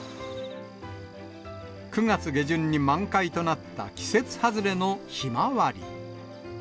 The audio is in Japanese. ９月下旬に満開となった季節外れのヒマワリ。